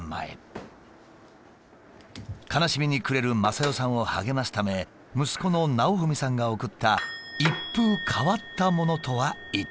悲しみに暮れる雅代さんを励ますため息子の直史さんが贈った一風変わったものとは一体。